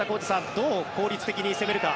どう効率的に攻めるか。